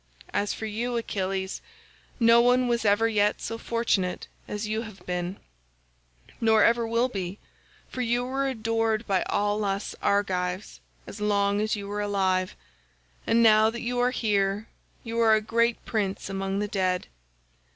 As for you, Achilles, no one was ever yet so fortunate as you have been, nor ever will be, for you were adored by all us Argives as long as you were alive, and now that you are here you are a great prince among the dead.